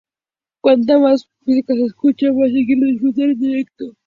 cuanta más música se escucha más se quiere disfrutar en directo